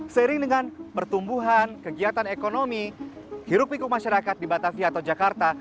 seiring dengan pertumbuhan kegiatan ekonomi hirup piku masyarakat di batavia atau jakarta